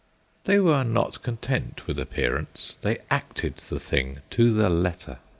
They were not content with appearance; they acted the thing to the letter.